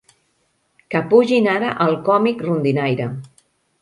Que pugin ara el còmic rondinaire...